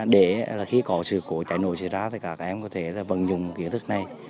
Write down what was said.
để khi có sự cố chảy nổi xảy ra thì các em có thể vận dụng kiến thức này